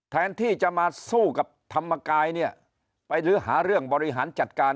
แทนที่จะมาสู้กับธรรมกายเนี่ยไปหรือหาเรื่องบริหารจัดการ